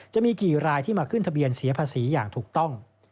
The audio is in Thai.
จะมีกี่รายที่มาขึ้นทะเบียนเสียภาษีอย่างถูกต้อง